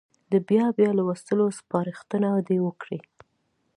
د بیا بیا لوستلو سپارښتنه دې وکړي.